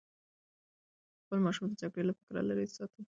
خپل ماشومان د جګړې له فکره لرې وساتئ.